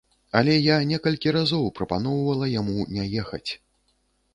Але я некалькі разоў прапаноўвала яму не ехаць.